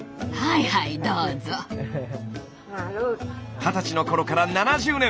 二十歳の頃から７０年